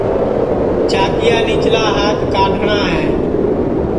چاکِیا نِیچلا ہات کاڈؔٹؔا ہے